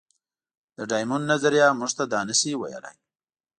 د ډایمونډ نظریه موږ ته دا نه شي ویلی.